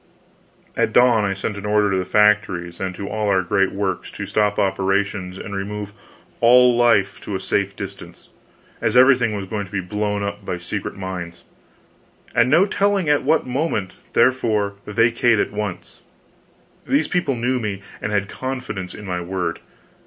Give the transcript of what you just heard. At dawn I sent an order to the factories and to all our great works to stop operations and remove all life to a safe distance, as everything was going to be blown up by secret mines, "and no telling at what moment therefore, vacate at once." These people knew me, and had confidence in my word.